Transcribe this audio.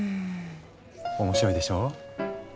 面白いでしょう？